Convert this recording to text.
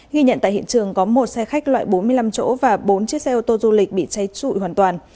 ghi nhận tại hiện trường có một xe khách loại bốn mươi năm chỗ và bốn chiếc xe ô tô du lịch bị cháy trụi hoàn toàn